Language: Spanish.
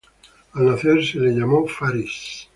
Al nacer se lo llamó Faris.